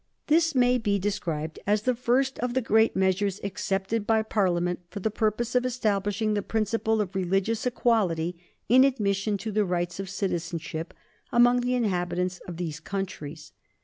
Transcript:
This may be described as the first of the great measures accepted by Parliament for the purpose of establishing the principle of religious equality, in admission to the rights of citizenship, among the inhabitants of these countries.